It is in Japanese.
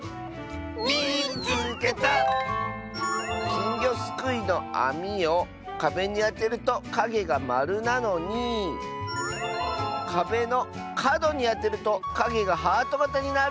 「きんぎょすくいのあみをかべにあてるとかげがまるなのにかべのかどにあてるとかげがハートがたになる！」。